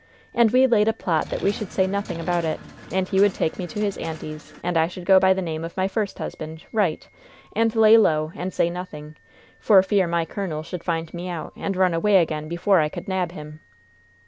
And we laid a plot that we should say nothing about it, and he would take me to his aunty's, and I should go by the name of my first husband, Wright, and lay low and say nothing, for fear my colonel should find me out and run away again before I could nab him.